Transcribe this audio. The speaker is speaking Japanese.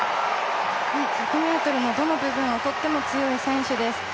１００ｍのどの部分をとっても強い選手です。